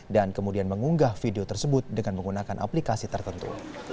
dan kemudian mengunggah video tersebut dengan menggunakan aplikasi tertentu